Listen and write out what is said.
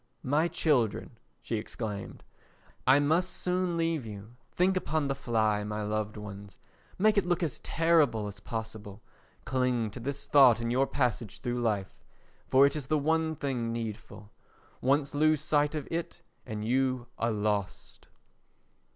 "My children," she exclaimed, "I must soon leave you; think upon the fly, my loved ones; make it look as terrible as possible; cling to this thought in your passage through life, for it is the one thing needful; once lose sight of it and you are lost."